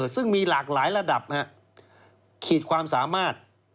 ซึ่งมีหลากหลายระดับขีดความสามารถ